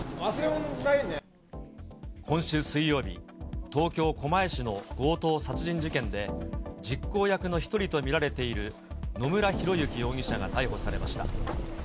今週水曜日、東京・狛江市の強盗殺人事件で、実行役の一人と見られている野村広之容疑者が逮捕されました。